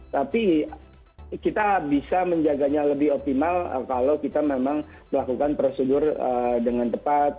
tapi kita bisa menjaganya lebih optimal kalau kita memang melakukan prosedur dengan tepat